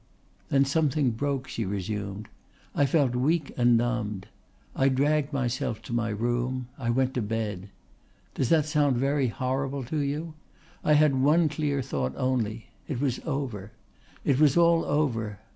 "Then something broke," she resumed. "I felt weak and numbed. I dragged myself to my room. I went to bed. Does that sound very horrible to you? I had one clear thought only. It was over. It was all over.